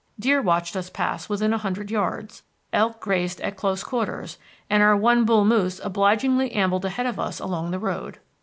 Deer watched us pass within a hundred yards. Elk grazed at close quarters, and our one bull moose obligingly ambled ahead of us along the road.